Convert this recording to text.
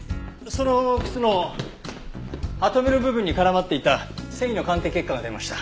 その靴のハトメの部分に絡まっていた繊維の鑑定結果が出ました。